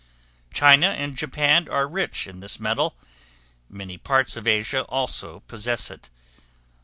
China and Japan are rich in this metal; many parts of Asia also possess it.